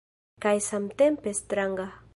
Kaj samtempe stranga.